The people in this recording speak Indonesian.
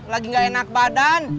lagi gak enak badan